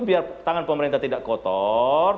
biar tangan pemerintah tidak kotor